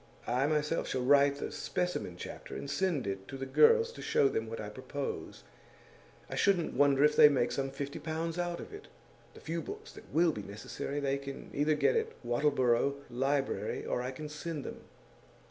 I myself shall write the specimen chapter, and send it to the girls to show them what I propose. I shouldn't wonder if they make some fifty pounds out of it. The few books that will be necessary they can either get at a Wattleborough library, or I can send them.